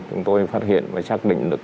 chúng tôi phát hiện và xác định được